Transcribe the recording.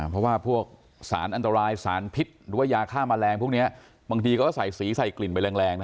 เพราะว่าพวกสารอันตรายสารพิษหรือว่ายาฆ่าแมลงพวกนี้บางทีก็ใส่สีใส่กลิ่นไปแรง